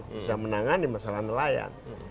bisa menangani masalah nelayan